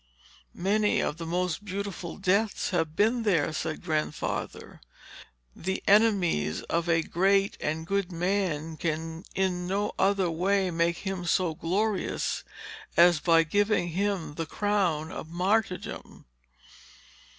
"Many of the most beautiful deaths have been there," said Grandfather. "The enemies of a great and good man can in no other way make him so glorious, as by giving him the crown of martyrdom."